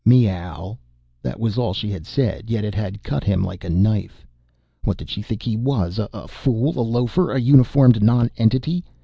"Meow." That was all she had said. Yet it had cut him like a knife. What did she think he was a fool, a loafer, a uniformed nonentity?